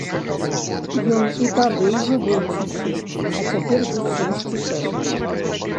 Ён і тады ўжо быў ціхі, а цяпер зусім сцішэў.